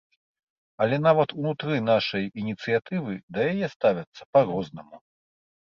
Але нават унутры нашай ініцыятывы да яе ставяцца па-рознаму.